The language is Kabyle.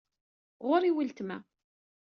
Ɣur-i weltma.